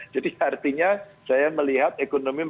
jadi artinya saya melihat ekonomi menggelisik